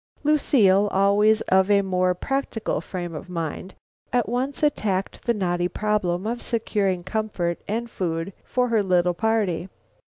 Lucile, always of a more practical frame of mind, at once attacked the knotty problem of securing comfort and food for her little party.